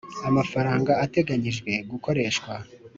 Amafaranga ateganyijwe gukoreshwa